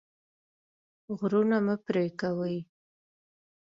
غرونه مه پرې کوئ.